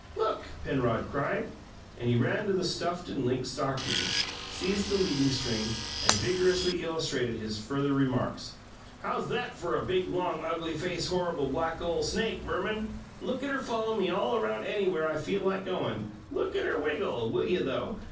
"Look!" Penrod cried, and he ran to the stuffed and linked stockings, seized the leading string, and vigorously illustrated his further remarks. "How's that for a big, long, ugly faced horr'ble black ole snake, Verman? Look at her follow me all round anywhere I feel like goin'! Look at her wiggle, will you, though?